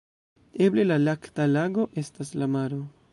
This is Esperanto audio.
Eble la "Lakta Lago" estas la maro.